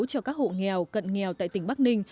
cho các hộ nghèo cận nghèo tại tỉnh bắc ninh